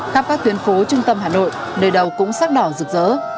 khắp các tuyến phố trung tâm hà nội nơi đầu cũng sắc đỏ rực rỡ